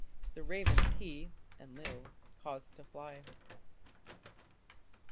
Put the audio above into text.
The ravens he (Enlil) caused to fly.